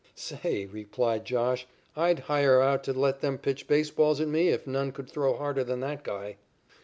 "Say," replied "Josh," "I'd hire out to let them pitch baseballs at me if none could throw harder than that guy."